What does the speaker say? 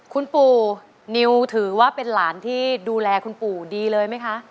คุณปู่นิวถือว่าเป็นหลานที่ดูแลคุณปู่ดีเลยไหมคะ